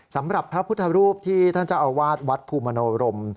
สำหรับพระพุทธรูปที่ท่านเจ้าอาวาสวัดภูมิโนรม